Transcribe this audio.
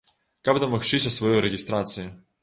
Каб дамагчыся сваёй рэгістрацыі.